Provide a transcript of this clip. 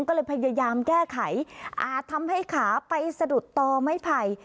ก็เลยพยายามแก้ไขอาจทำให้ขาไปสะดุดต่อไม้ไผ่